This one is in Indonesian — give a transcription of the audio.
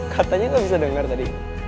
katanya lu gak bisa denger tadi